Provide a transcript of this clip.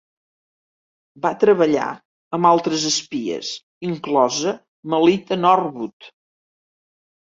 Va treballar amb altres espies, inclosa Melita Norwood.